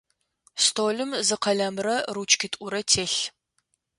Столым зы къэлэмрэ ручкитӏурэ телъ.